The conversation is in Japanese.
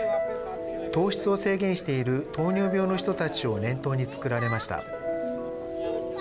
糖質を制限している糖尿病の人たちを念頭に作られました。